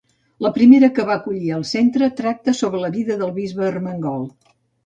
La primera que va acollir el centre tracta sobre la vida del Bisbe Ermengol.